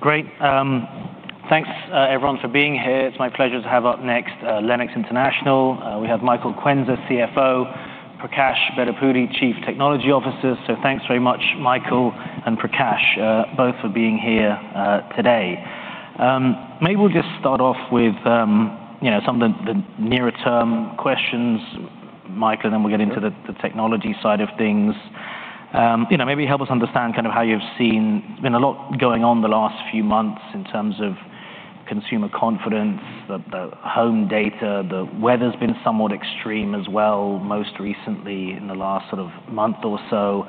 Great. Thanks, everyone for being here. It's my pleasure to have up next, Lennox International. We have Michael Quenzer, CFO, Prakash Bedapudi, Chief Technology Officer. So thanks very much, Michael and Prakash, both for being here today. Maybe we'll just start off with, you know, some of the nearer-term questions, Michael, and then we'll get into the technology side of things. You know, maybe help us understand kind of how you've seen—been a lot going on the last few months in terms of consumer confidence, the home data. The weather's been somewhat extreme as well, most recently in the last sort of month or so.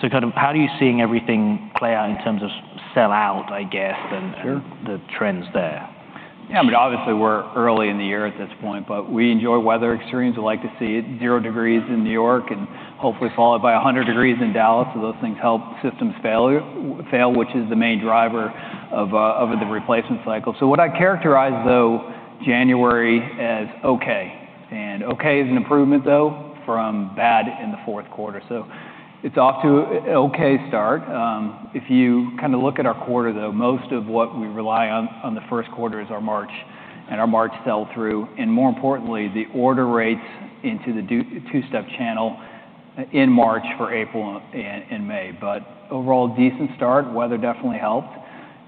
So kind of how are you seeing everything play out in terms of sellout, I guess, and- Sure. the trends there? Yeah, I mean, obviously, we're early in the year at this point, but we enjoy weather extremes. We like to see it 0 degrees in New York, and hopefully followed by 100 degrees in Dallas. So those things help systems fail, which is the main driver of the replacement cycle. So what I characterize, though, January as okay, and okay is an improvement, though, from bad in the fourth quarter. So it's off to a okay start. If you kinda look at our quarter, though, most of what we rely on the first quarter is our March, and our March sell-through, and more importantly, the order rates into the two-step channel in March for April and May. But overall, a decent start. Weather definitely helped.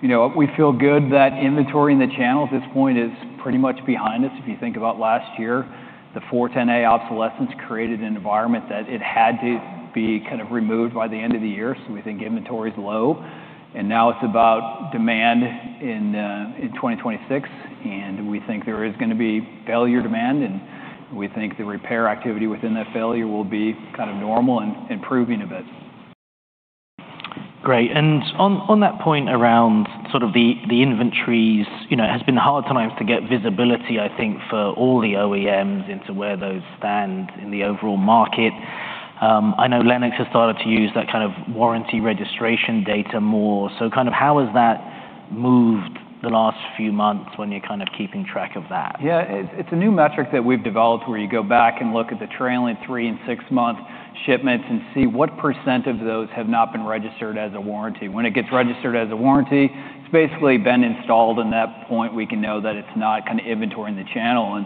You know, we feel good that inventory in the channel at this point is pretty much behind us. If you think about last year, the R-410A obsolescence created an environment that it had to be kind of removed by the end of the year, so we think inventory is low, and now it's about demand in, in 2026, and we think there is gonna be failure demand, and we think the repair activity within that failure will be kind of normal and improving a bit. Great. And on that point around sort of the inventories, you know, it has been hard times to get visibility, I think, for all the OEMs into where those stand in the overall market. I know Lennox has started to use that kind of warranty registration data more. So kind of how has that moved the last few months when you're kind of keeping track of that? Yeah, it's a new metric that we've developed, where you go back and look at the trailing three- and six-month shipments and see what percent of those have not been registered as a warranty. When it gets registered as a warranty, it's basically been installed, and at that point, we can know that it's not kind of inventory in the channel.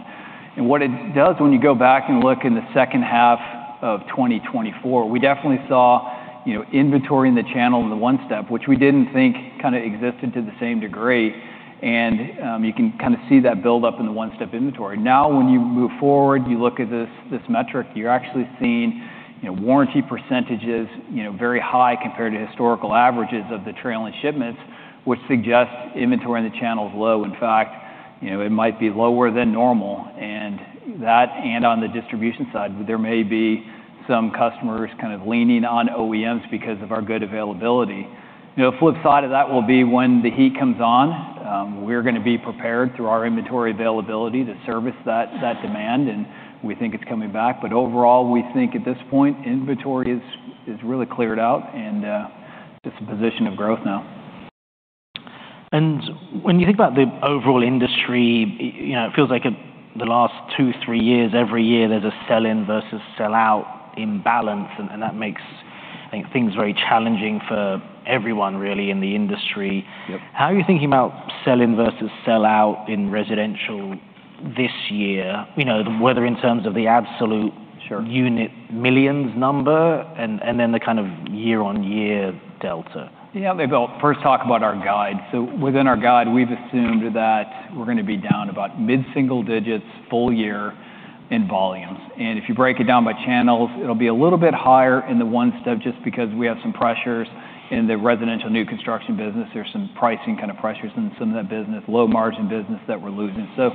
And what it does when you go back and look in the second half of 2024, we definitely saw, you know, inventory in the channel in the one-step, which we didn't think kind of existed to the same degree, and you can kinda see that build-up in the one-step inventory. Now, when you move forward, you look at this metric, you're actually seeing, you know, warranty percentages, you know, very high compared to historical averages of the trailing shipments, which suggests inventory in the channel is low. In fact, you know, it might be lower than normal, and that and on the distribution side, there may be some customers kind of leaning on OEMs because of our good availability. You know, the flip side of that will be when the heat comes on, we're gonna be prepared through our inventory availability to service that demand, and we think it's coming back. But overall, we think at this point, inventory is really cleared out and just a position of growth now. When you think about the overall industry, you know, it feels like in the last 2-3 years, every year there's a sell-in versus sell-out imbalance, and that makes, I think, things very challenging for everyone really in the industry. Yep. How are you thinking about sell-in versus sell-out in residential this year? You know, whether in terms of the absolute unit millions number, and then the kind of year-over-year delta. Yeah, maybe I'll first talk about our guide. So within our guide, we've assumed that we're gonna be down about mid-single digits, full year in volumes. And if you break it down by channels, it'll be a little bit higher in the one-step just because we have some pressures in the residential new construction business. There's some pricing kind of pressures in some of that business, low-margin business that we're losing. So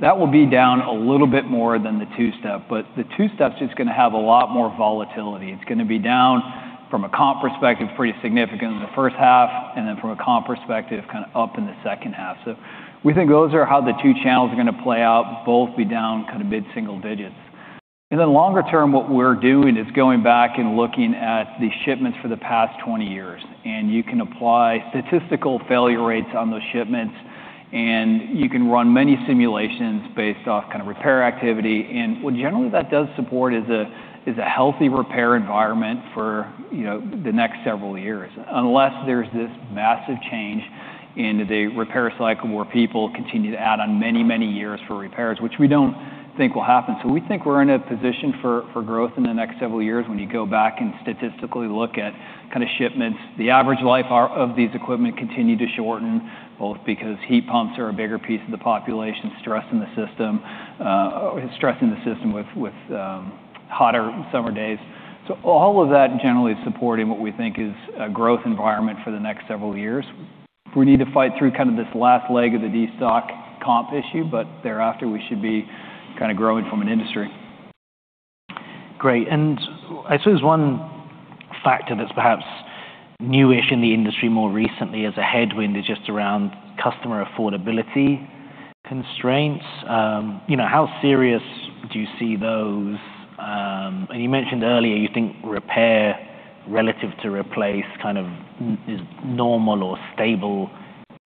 that will be down a little bit more than the two-step, but the two-step is just gonna have a lot more volatility. It's gonna be down from a comp perspective, pretty significant in the first half, and then from a comp perspective, kind of up in the second half. So we think those are how the two channels are gonna play out, both be down kind of mid-single digits. In the longer term, what we're doing is going back and looking at the shipments for the past 20 years, and you can apply statistical failure rates on those shipments, and you can run many simulations based off kind of repair activity. What generally that does support is a healthy repair environment for, you know, the next several years. Unless there's this massive change in the repair cycle, where people continue to add on many, many years for repairs, which we don't think will happen. We think we're in a position for growth in the next several years when you go back and statistically look at kind of shipments. The average life hour of these equipment continue to shorten, both because heat pumps are a bigger piece of the population, stressing the system, stressing the system with hotter summer days. So all of that generally is supporting what we think is a growth environment for the next several years. We need to fight through kind of this last leg of the destock comp issue, but thereafter, we should be kind of growing from an industry. Great, and I suppose one factor that's perhaps newish in the industry more recently as a headwind is just around customer affordability constraints. You know, how serious do you see those? And you mentioned earlier you think repair relative to replace is normal or stable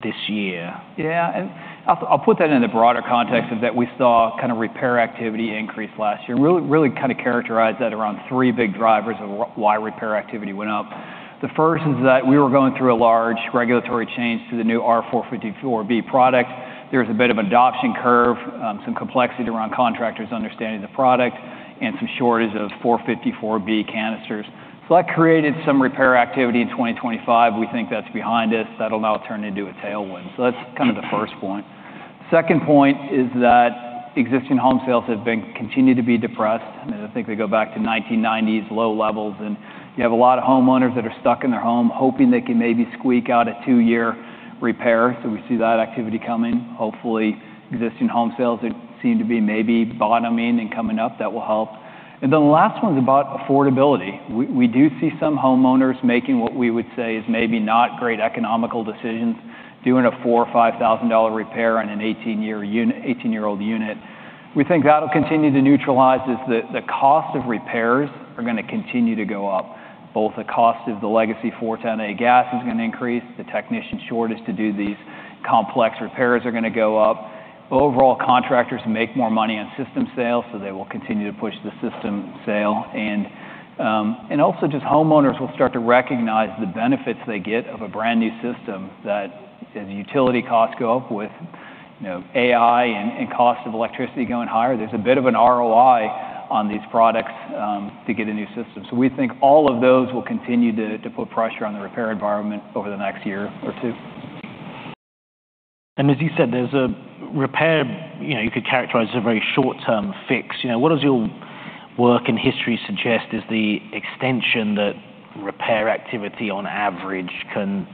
this year. Yeah, and I'll, I'll put that in the broader context of that we saw kind of repair activity increase last year, and really, really kind of characterize that around three big drivers of why repair activity went up. The first is that we were going through a large regulatory change to the new R-454B product. There was a bit of adoption curve, some complexity around contractors understanding the product, and some shortage of 454B canisters. So that created some repair activity in 2025. We think that's behind us. That'll now turn into a tailwind. So that's kind of the first point. Second point is that existing home sales have been continue to be depressed. I mean, I think they go back to 1990s, low levels, and you have a lot of homeowners that are stuck in their home, hoping they can maybe squeak out a 2-year repair. So we see that activity coming. Hopefully, existing home sales seem to be maybe bottoming and coming up. That will help. And then the last one is about affordability. We do see some homeowners making what we would say is maybe not great economical decisions, doing a $4,000-$5,000 repair on an 18-year-old unit. We think that'll continue to neutralize as the cost of repairs are going to continue to go up. Both the cost of the legacy R-410A gas is going to increase. The technician shortage to do these complex repairs are going to go up. Overall, contractors make more money on system sales, so they will continue to push the system sale. And also just homeowners will start to recognize the benefits they get of a brand-new system, that as utility costs go up with, you know, AI and cost of electricity going higher, there's a bit of an ROI on these products, to get a new system. So we think all of those will continue to put pressure on the repair environment over the next year or two. As you said, there's a repair, you know, you could characterize as a very short-term fix. You know, what does your work and history suggest is the extension that repair activity, on average, can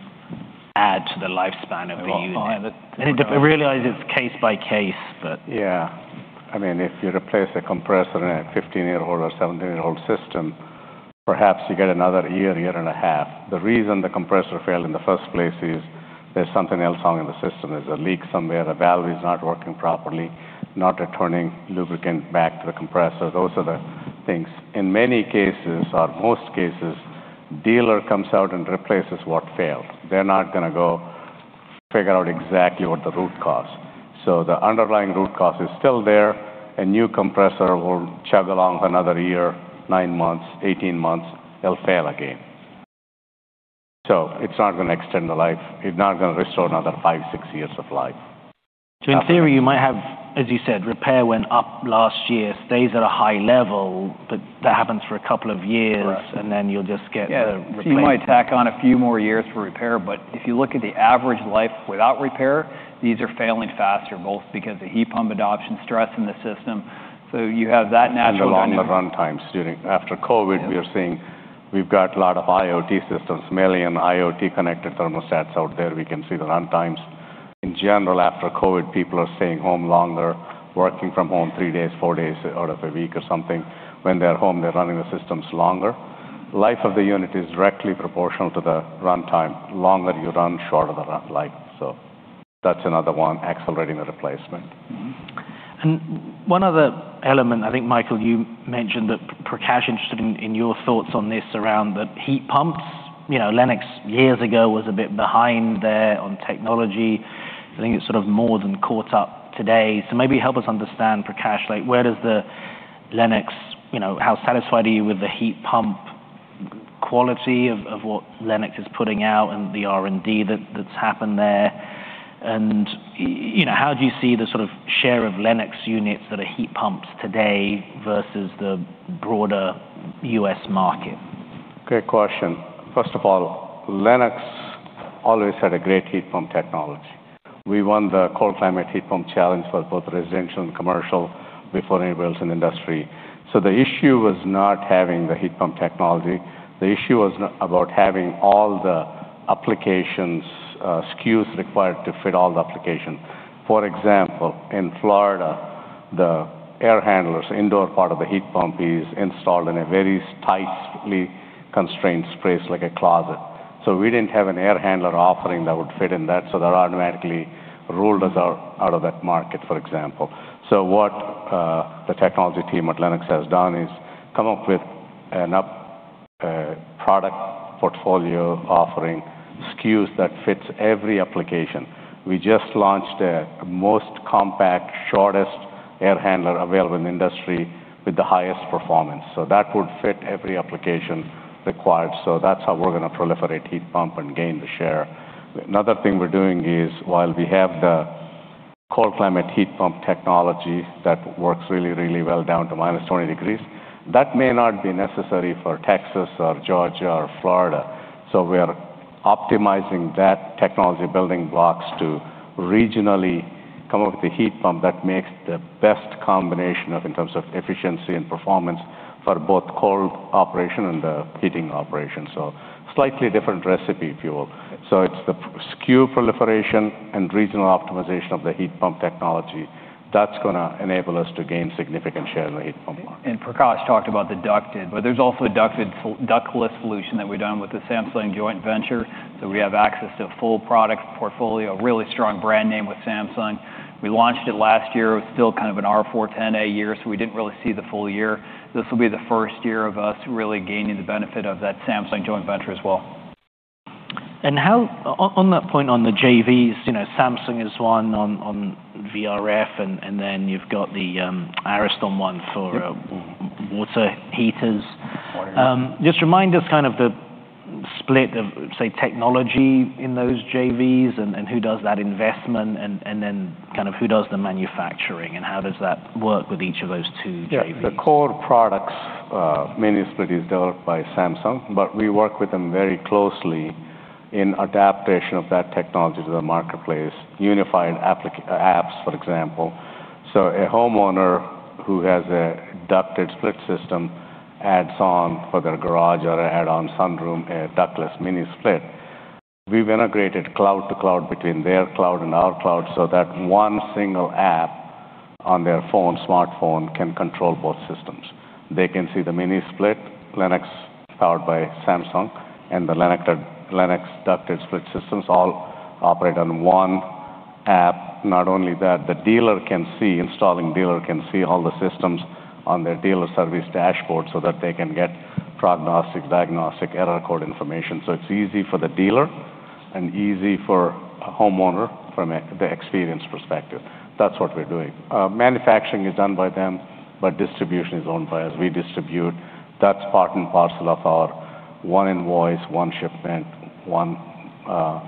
add to the lifespan of a unit? About five. I realize it's case by case, but- Yeah. I mean, if you replace a compressor in a 15-year-old or 17-year-old system, perhaps you get another year, year and a half. The reason the compressor failed in the first place is there's something else wrong in the system. There's a leak somewhere, a valve is not working properly, not returning lubricant back to the compressor. Those are the things. In many cases, or most cases, dealer comes out and replaces what failed. They're not going to go figure out exactly what the root cause. So the underlying root cause is still there. A new compressor will chug along for another year, 9 months, 18 months. It'll fail again. So it's not going to extend the life. It's not going to restore another 5, 6 years of life. So in theory, you might have, as you said, repair went up last year, stays at a high level, but that happens for a couple of years and then you'll just get the replacement. Yeah, so you might tack on a few more years for repair, but if you look at the average life without repair, these are failing faster, both because of heat pump adoption, stress in the system. So you have that natural- The longer run times. After COVID, we are seeing we've got a lot of IoT systems, million IoT-connected thermostats out there. We can see the run times. In general, after COVID, people are staying home longer, working from home three days, four days out of a week or something. When they're home, they're running the systems longer. Life of the unit is directly proportional to the runtime. The longer you run, shorter the run life. So that's another one accelerating the replacement. Mm-hmm. And one other element, I think, Michael, you mentioned that, Prakash, interested in, in your thoughts on this, around the heat pumps. You know, Lennox, years ago, was a bit behind there on technology. I think it's sort of more than caught up today. So maybe help us understand, Prakash, like, where does the Lennox... You know, how satisfied are you with the heat pump quality of, of what Lennox is putting out and the R&D that's happened there? And, you know, how do you see the sort of share of Lennox units that are heat pumps today versus the broader U.S. market? Great question. First of all, Lennox always had a great heat pump technology. We won the Cold Climate Heat Pump Challenge for both residential and commercial before anybody else in the industry. So the issue was not having the heat pump technology. The issue was about having all the applications, SKUs required to fit all the applications. For example, in Florida, the air handlers, indoor part of the heat pump, is installed in a very tightly constrained space, like a closet. So we didn't have an air handler offering that would fit in that, so that automatically ruled us out of that market, for example. So what the technology team at Lennox has done is come up with an updated product portfolio offering SKUs that fits every application. We just launched the most compact, shortest air handler available in the industry with the highest performance. So that would fit every application required. So that's how we're going to proliferate heat pump and gain the share. Another thing we're doing is, while we have the cold climate heat pump technology that works really, really well down to minus 20 degrees, that may not be necessary for Texas or Georgia or Florida. So we are optimizing that technology building blocks to regionally come up with a heat pump that makes the best combination of, in terms of efficiency and performance, for both cold operation and the heating operation. So slightly different recipe, if you will. So it's the SKU proliferation and regional optimization of the heat pump technology that's going to enable us to gain significant share in the heat pump market. And Prakash talked about the ducted, but there's also a ductless solution that we've done with the Samsung joint venture. So we have access to a full product portfolio, a really strong brand name with Samsung. We launched it last year. It was still kind of an R-410A year, so we didn't really see the full year. This will be the first year of us really gaining the benefit of that Samsung joint venture as well. On that point, on the JVs, you know, Samsung is one on VRF, and then you've got the Ariston one for water heaters. Water heaters. Just remind us kind of the split of, say, technology in those JVs, and who does that investment, and then kind of who does the manufacturing, and how does that work with each of those two JVs? Yeah, the core products, mini split is developed by Samsung, but we work with them very closely in adaptation of that technology to the marketplace. Unified apps, for example. So a homeowner who has a ducted split system adds on for their garage or add-on sunroom, a ductless mini split. We've integrated cloud to cloud between their cloud and our cloud, so that one single app on their phone, smartphone, can control both systems. They can see the mini split, Lennox, powered by Samsung, and the Lennox, Lennox ducted split systems all operate on one app. Not only that, the dealer can see, installing dealer can see all the systems on their dealer service dashboard so that they can get prognostic, diagnostic, error code information. So it's easy for the dealer and easy for a homeowner from the experience perspective. That's what we're doing. Manufacturing is done by them, but distribution is owned by us. We distribute. That's part and parcel of our one invoice, one shipment, one,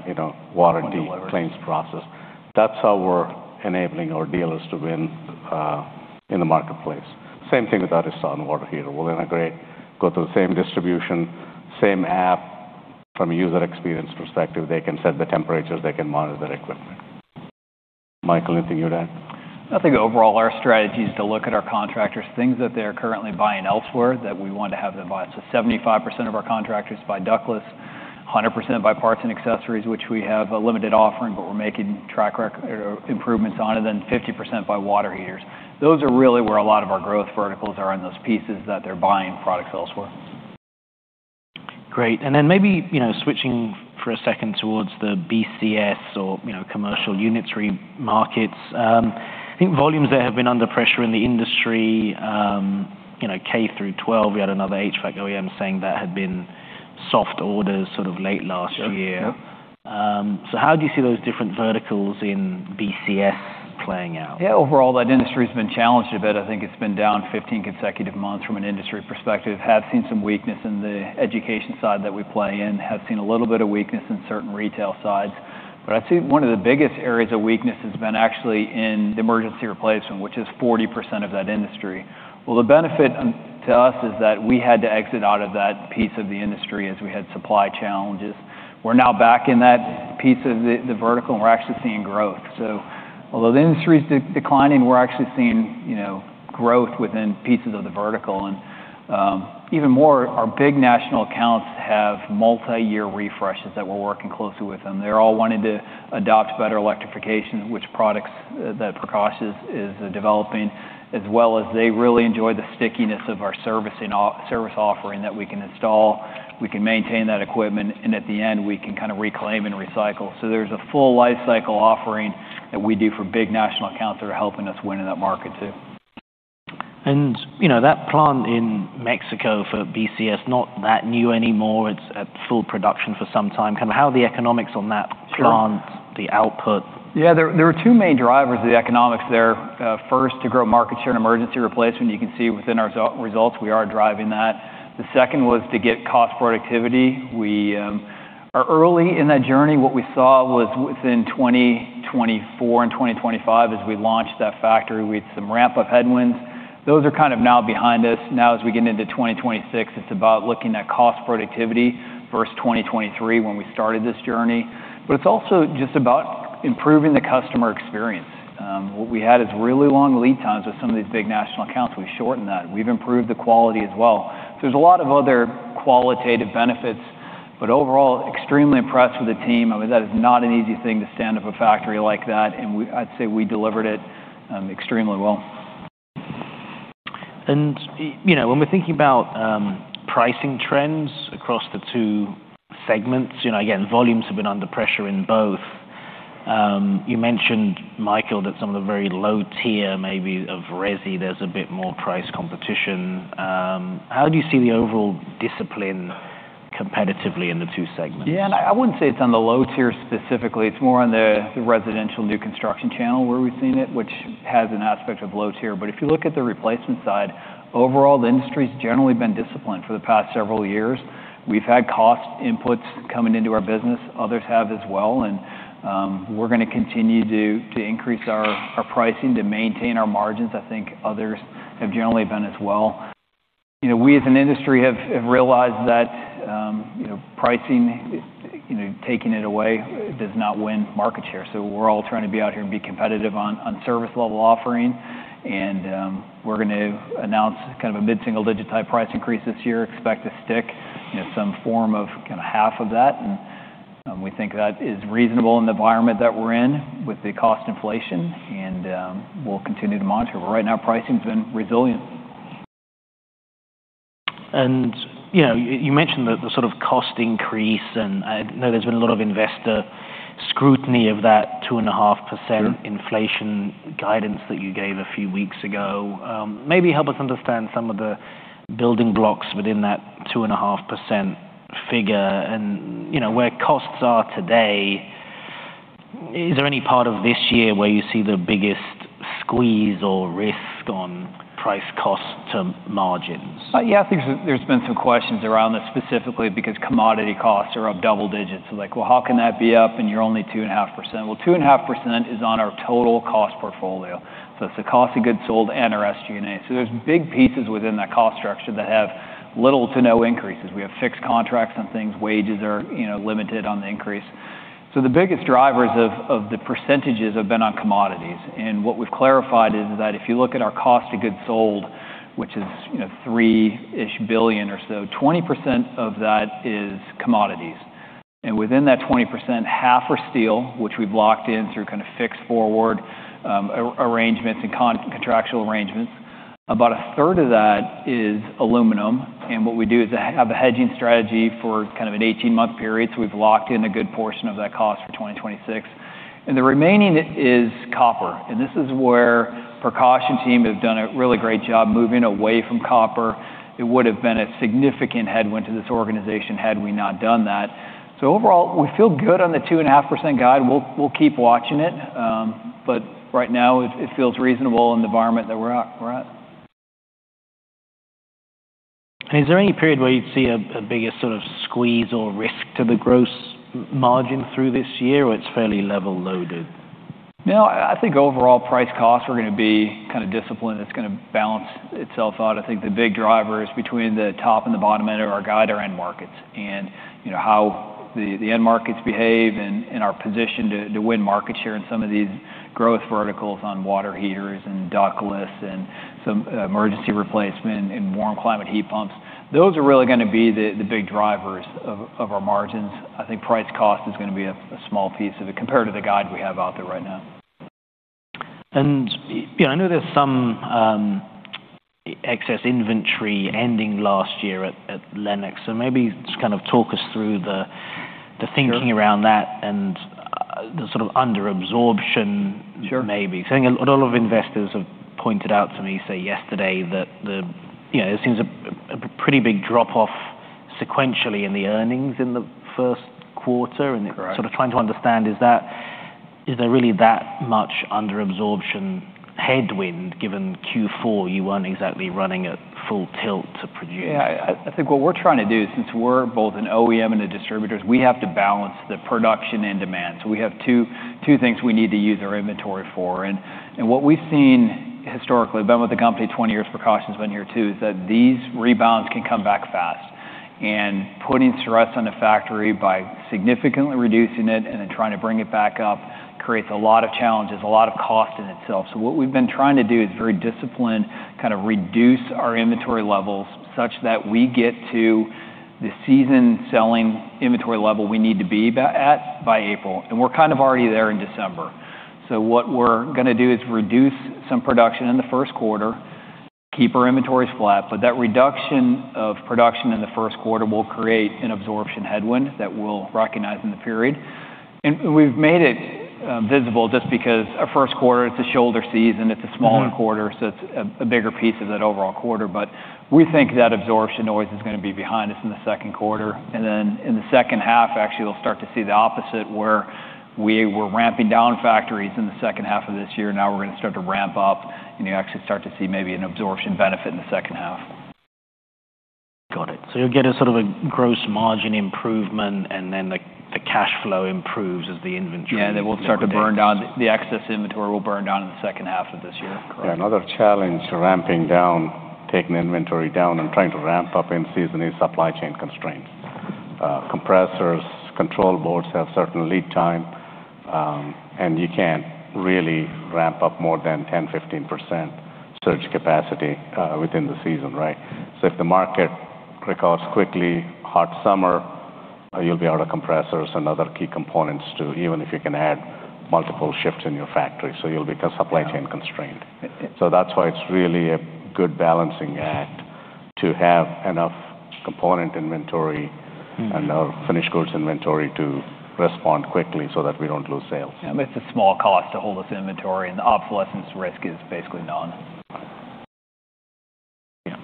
you know, warranty claims process. That's how we're enabling our dealers to win in the marketplace. Same thing with Ariston water heater. We'll integrate, go through the same distribution, same app. From a user experience perspective, they can set the temperatures, they can monitor their equipment. Michael, anything you'd add? I think overall, our strategy is to look at our contractors, things that they're currently buying elsewhere that we want to have them buy. So 75% of our contractors buy ductless, 100% buy parts and accessories, which we have a limited offering, but we're making improvements on, and then 50% buy water heaters. Those are really where a lot of our growth verticals are, in those pieces that they're buying products elsewhere. Great. And then maybe, you know, switching for a second towards the BCS or, you know, commercial unitary markets. I think volumes there have been under pressure in the industry. You know, K-12, we had another HVAC OEM saying that had been soft orders sort of late last year. Yep, yep. So how do you see those different verticals in BCS playing out? Yeah, overall, that industry's been challenged a bit. I think it's been down 15 consecutive months from an industry perspective. Have seen some weakness in the education side that we play in, have seen a little bit of weakness in certain retail sides. But I'd say one of the biggest areas of weakness has been actually in the emergency replacement, which is 40% of that industry. Well, the benefit to us is that we had to exit out of that piece of the industry as we had supply challenges. We're now back in that piece of the vertical, and we're actually seeing growth. So although the industry's declining, we're actually seeing, you know, growth within pieces of the vertical. And even more, our big national accounts have multiyear refreshes that we're working closely with them. They're all wanting to adopt better electrification, which products that Prakash is developing, as well as they really enjoy the stickiness of our service offering that we can install, we can maintain that equipment, and at the end, we can kinda reclaim and recycle. So there's a full life cycle offering that we do for big national accounts that are helping us win in that market, too. You know, that plant in Mexico for BCS, not that new anymore. It's at full production for some time. Kind of how are the economics on that- Sure plant, the output? Yeah, there are two main drivers of the economics there. First, to grow market share and emergency replacement. You can see within our results, we are driving that. The second was to get cost productivity. We are early in that journey. What we saw was within 2024 and 2025, as we launched that factory, we had some ramp-up headwinds. Those are kind of now behind us. Now, as we get into 2026, it's about looking at cost productivity versus 2023, when we started this journey. But it's also just about improving the customer experience. What we had is really long lead times with some of these big national accounts. We've shortened that. We've improved the quality as well. So there's a lot of other qualitative benefits, but overall, extremely impressed with the team. I mean, that is not an easy thing to stand up a factory like that, and I'd say we delivered it extremely well. You know, when we're thinking about pricing trends across the two segments, you know, again, volumes have been under pressure in both. You mentioned, Michael, that some of the very low tier maybe of resi, there's a bit more price competition. How do you see the overall discipline competitively in the two segments? Yeah, and I wouldn't say it's on the low tier specifically. It's more on the residential new construction channel where we've seen it, which has an aspect of low tier. But if you look at the replacement side, overall, the industry's generally been disciplined for the past several years. We've had cost inputs coming into our business. Others have as well, and we're gonna continue to increase our pricing to maintain our margins. I think others have generally been as well. You know, we, as an industry, have realized that, you know, pricing, you know, taking it away, does not win market share. We're all trying to be out here and be competitive on service level offering. We're gonna announce kind of a mid-single-digit type price increase this year, expect to stick, you know, some form of kinda half of that. We think that is reasonable in the environment that we're in with the cost inflation, and we'll continue to monitor. Right now, pricing's been resilient. You know, you mentioned the sort of cost increase, and I know there's been a lot of investor scrutiny of that 2.5% inflation guidance that you gave a few weeks ago. Maybe help us understand some of the building blocks within that 2.5% figure and, you know, where costs are today. Is there any part of this year where you see the biggest squeeze or risk on price cost to margins? Yeah, I think there, there's been some questions around this, specifically because commodity costs are up double digits. So like, "Well, how can that be up and you're only 2.5%?" Well, 2.5% is on our total cost portfolio. So it's the cost of goods sold and our SG&A. So there's big pieces within that cost structure that have little to no increases. We have fixed contracts on things. Wages are, you know, limited on the increase. So the biggest drivers of, of the percentages have been on commodities, and what we've clarified is that if you look at our cost of goods sold, which is, you know, $3 billion or so, 20% of that is commodities. And within that 20%, half are steel, which we've locked in through kind of fixed forward arrangements and contractual arrangements. About a third of that is aluminum, and what we do is have a hedging strategy for kind of an 18-month period, so we've locked in a good portion of that cost for 2026. And the remaining is copper, and this is where procurement team have done a really great job moving away from copper. It would've been a significant headwind to this organization had we not done that. So overall, we feel good on the 2.5% guide. We'll, we'll keep watching it, but right now, it, it feels reasonable in the environment that we're at, we're at. Is there any period where you'd see a bigger sort of squeeze or risk to the gross margin through this year, or it's fairly level loaded? No, I, I think overall price costs are gonna be kind of disciplined. It's gonna balance itself out. I think the big drivers between the top and the bottom end of our guide are end markets and, you know, how the end markets behave and our position to win market share in some of these growth verticals on water heaters and ductless and some emergency replacement and warm climate heat pumps. Those are really gonna be the big drivers of our margins. I think price cost is gonna be a small piece of it, compared to the guide we have out there right now. Yeah, I know there's some excess inventory ending last year at Lennox. So maybe just kind of talk us through the thinking around that and, the sort of underabsorption, maybe. So I think a lot of investors have pointed out to me, say, yesterday, that the, you know, it seems a pretty big drop-off sequentially in the earnings in the first quarter, and sort of trying to understand, is there really that much underabsorption headwind, given Q4, you weren't exactly running at full tilt to produce? Yeah, I think what we're trying to do, since we're both an OEM and a distributor, is we have to balance the production and demand. So we have two things we need to use our inventory for. And what we've seen historically, I've been with the company 20 years, Prakash has been here too, is that these rebounds can come back fast. And putting stress on the factory by significantly reducing it and then trying to bring it back up creates a lot of challenges, a lot of cost in itself. So what we've been trying to do is very disciplined, kind of reduce our inventory levels such that we get to the season selling inventory level we need to be at by April, and we're kind of already there in December. So what we're gonna do is reduce some production in the first quarter, keep our inventories flat, but that reduction of production in the first quarter will create an absorption headwind that we'll recognize in the period. And we've made it visible just because our first quarter, it's a shoulder season, it's a smaller quarter so it's a bigger piece of that overall quarter. But we think that absorption noise is gonna be behind us in the second quarter. And then in the second half, actually, we'll start to see the opposite, where we were ramping down factories in the second half of this year. Now we're gonna start to ramp up, and you actually start to see maybe an absorption benefit in the second half. Got it. So you'll get a sort of a gross margin improvement, and then the cash flow improves as the inventory- Yeah, that will start to burn down. The excess inventory will burn down in the second half of this year. Correct. Yeah, another challenge to ramping down, taking inventory down and trying to ramp up in season is supply chain constraints. Compressors, control boards have certain lead time, and you can't really ramp up more than 10%-15% surge capacity, within the season, right? So if the market recovers quickly, hot summer, you'll be out of compressors and other key components too, even if you can add multiple shifts in your factory. So you'll become supply chain constrained. Yeah. So that's why it's really a good balancing act to have enough component inventory and enough finished goods inventory to respond quickly so that we don't lose sales. Yeah, it's a small cost to hold this inventory, and the obsolescence risk is basically none. Yeah.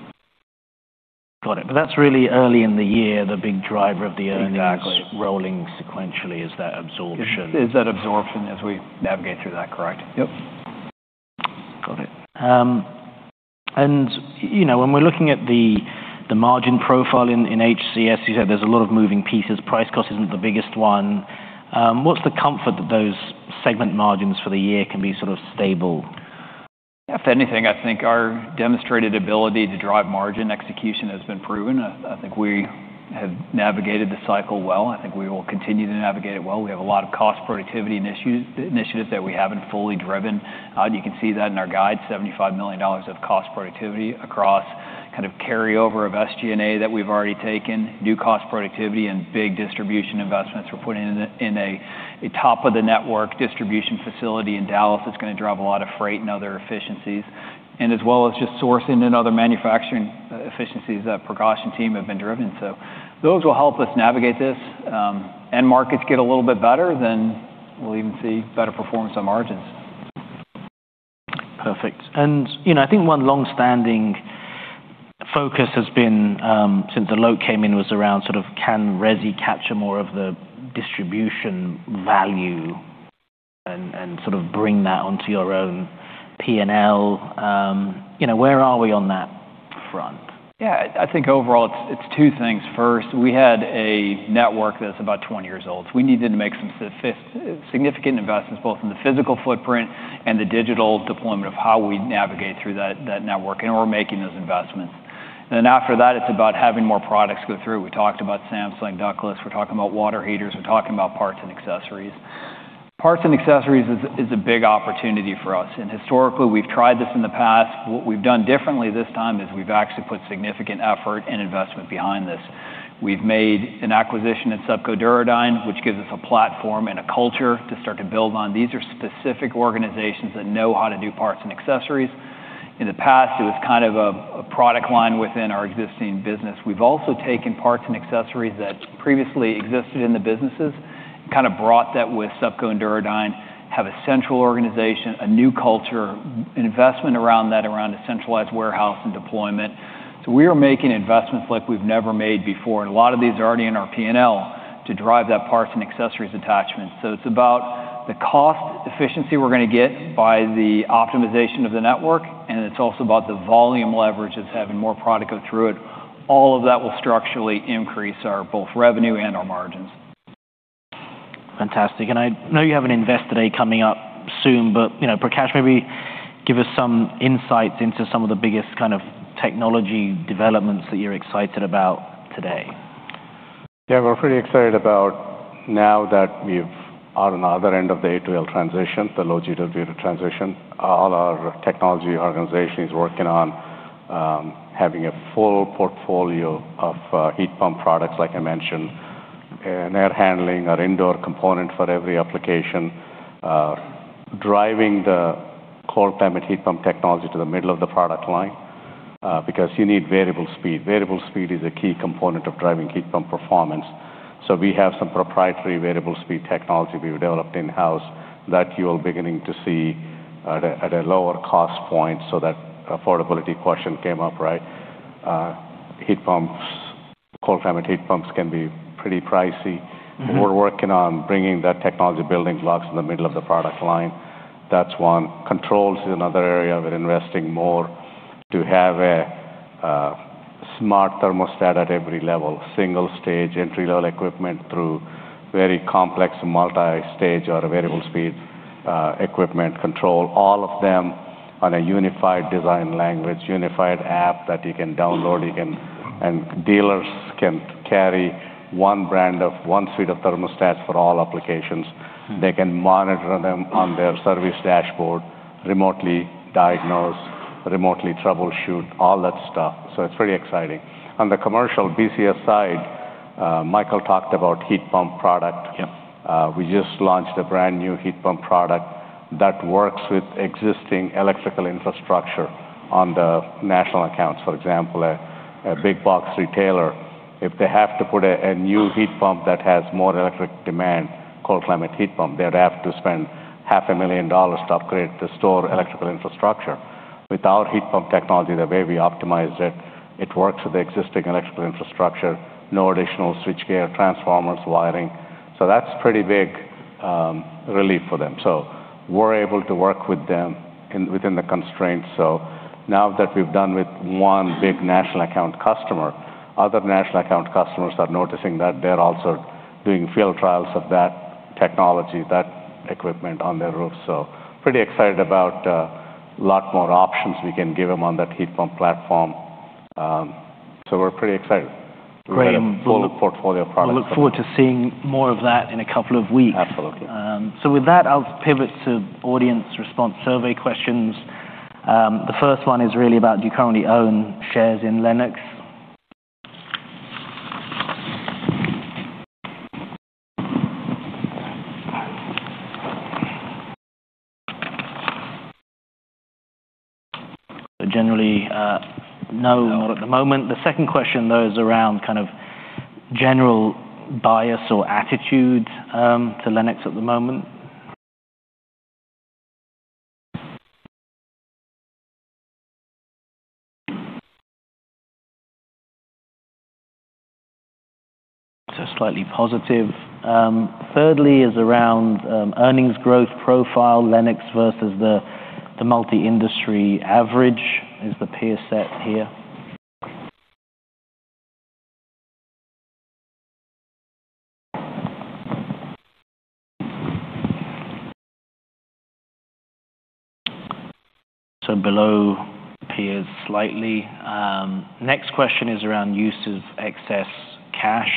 Got it. But that's really early in the year, the big driver of the earnings rolling sequentially is that absorption. Is that absorption as we navigate through that, correct? Yep. Got it. And you know, when we're looking at the margin profile in HCS, you said there's a lot of moving pieces. Price cost isn't the biggest one. What's the comfort that those segment margins for the year can be sort of stable? If anything, I think our demonstrated ability to drive margin execution has been proven. I think we have navigated the cycle well. I think we will continue to navigate it well. We have a lot of cost productivity initiatives that we haven't fully driven. You can see that in our guide, $75 million of cost productivity across kind of carryover of SG&A that we've already taken, new cost productivity and big distribution investments we're putting in a top of the network distribution facility in Dallas that's gonna drive a lot of freight and other efficiencies, and as well as just sourcing and other manufacturing efficiencies that procurement team have been driving. So those will help us navigate this. End markets get a little bit better, then we'll even see better performance on margins. Perfect. And, you know, I think one long-standing focus has been, since Alok came in, was around sort of can resi capture more of the distribution value and, and sort of bring that onto your own P&L? You know, where are we on that front? Yeah, I think overall it's two things. First, we had a network that's about 20 years old. We needed to make some significant investments, both in the physical footprint and the digital deployment of how we navigate through that network, and we're making those investments. Then after that, it's about having more products go through. We talked about Samsung ductless, we're talking about water heaters, we're talking about parts and accessories. Parts and accessories is a big opportunity for us, and historically, we've tried this in the past. What we've done differently this time is we've actually put significant effort and investment behind this. We've made an acquisition at SUPCO Duro Dyne, which gives us a platform and a culture to start to build on. These are specific organizations that know how to do parts and accessories. In the past, it was kind of a product line within our existing business. We've also taken parts and accessories that previously existed in the businesses, kind of brought that with SUPCO and Duro Dyne, have a central organization, a new culture, an investment around that, around a centralized warehouse and deployment. So we are making investments like we've never made before, and a lot of these are already in our P&L to drive that parts and accessories attachment. So it's about the cost efficiency we're gonna get by the optimization of the network, and it's also about the volume leverage that's having more product go through it. All of that will structurally increase our both revenue and our margins. Fantastic. I know you have an investor day coming up soon, but, you know, Prakash, maybe give us some insights into some of the biggest kind of technology developments that you're excited about today. Yeah, we're pretty excited about now that we're on the other end of the A2L transition, the low GWP transition, all our technology organization is working on, having a full portfolio of heat pump products, like I mentioned, and air handlers, our indoor component for every application. Driving the cold climate heat pump technology to the middle of the product line, because you need variable speed. Variable speed is a key component of driving heat pump performance. So we have some proprietary variable speed technology we've developed in-house that you are beginning to see at a lower cost point. So that affordability question came up, right? Heat pumps, cold climate heat pumps can be pretty pricey. Mm-hmm. We're working on bringing that technology building blocks in the middle of the product line. That's one. Controls is another area we're investing more to have a smart thermostat at every level, single stage entry-level equipment through very complex multi-stage or variable speed equipment control, all of them on a unified design language, unified app that you can download, you can... And dealers can carry one brand of one suite of thermostats for all applications. Mm. They can monitor them on their service dashboard, remotely diagnose, remotely troubleshoot, all that stuff. So it's pretty exciting. On the commercial BCS side, Michael talked about heat pump product. Yep. We just launched a brand-new heat pump product that works with existing electrical infrastructure on the national accounts. For example, a big box retailer, if they have to put a new heat pump that has more electric demand, cold climate heat pump, they'd have to spend $500,000 to upgrade the store electrical infrastructure. With our heat pump technology, the way we optimize it, it works with the existing electrical infrastructure, no additional switchgear, transformers, wiring. So that's pretty big relief for them. So we're able to work with them within the constraints. So now that we've done with one big national account customer, other national account customers are noticing that they're also doing field trials of that technology, that equipment on their roof. So pretty excited about a lot more options we can give them on that heat pump platform. We're pretty excited. Great. Full portfolio products. We look forward to seeing more of that in a couple of weeks. Absolutely. So with that, I'll pivot to audience response survey questions. The first one is really about, do you currently own shares in Lennox? Generally, no, not at the moment. No. The second question, though, is around kind of general bias or attitude to Lennox at the moment. So slightly positive. Thirdly is around earnings growth profile, Lennox versus the multi-industry average is the peer set here. So below peers slightly. Next question is around use of excess cash.